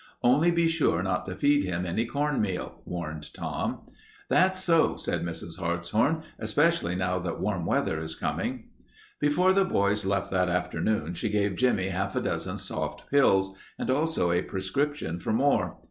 "Only be sure not to feed him any corn meal," warned Tom. "That's so," said Mrs. Hartshorn, "especially now that warm weather is coming." Before the boys left that afternoon she gave Jimmie half a dozen soft pills and also a prescription for more.